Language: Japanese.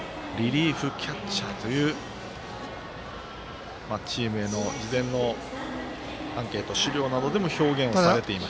リリーフキャッチャーというチームへの事前のアンケート資料などでも表現されていました。